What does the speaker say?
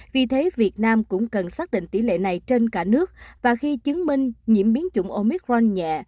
vì thế việt nam cũng cần xác định tỷ lệ này trên cả nước và khi chứng minh nhiễm biến chủng omic ron nhẹ